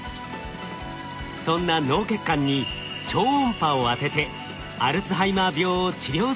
そんな脳血管に超音波を当ててアルツハイマー病を治療する研究も。